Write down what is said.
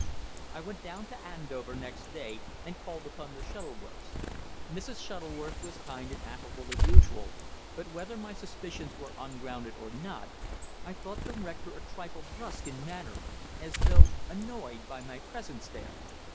I went down to Andover next day and called upon the Shuttleworths. Mrs. Shuttleworth was kind and affable as usual, but whether my suspicions were ungrounded or not, I thought the rector a trifle brusque in manner, as though annoyed by my presence there.